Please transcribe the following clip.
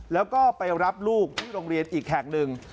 แล้วก็ไปรับลูกที่โรงเรียนอีกแห่งหนึ่ง